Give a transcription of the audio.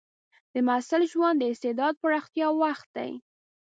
د محصل ژوند د استعداد پراختیا وخت دی.